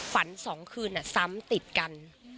ฝันสองคืนอ่ะซ้ำติดกัน